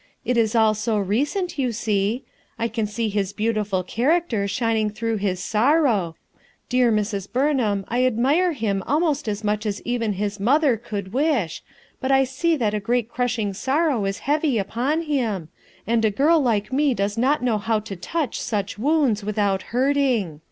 It is all so recent, you see. I can see Us beautiful character shining through hi; sorrow; dear Mrs, Buxnham. I admire him almost as much as even his mother could wUh, but I can fee that a great crushing sorrow is heavy upon ten, and a girl like me does not know how to touch such wound3 without hurting.